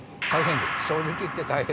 正直言って大変。